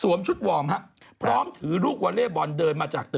สวมชุดวอร์มฮะ